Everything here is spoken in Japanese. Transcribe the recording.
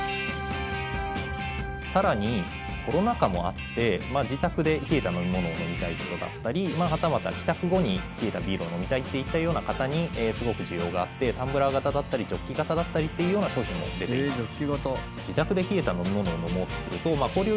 更に、コロナ禍もあって自宅で冷えた飲み物を飲みたい人だったりはたまた帰宅後に冷えたビールを飲みたいといったような方にすごく需要があってタンブラー型だったりジョッキ型だったりというような商品も出ています。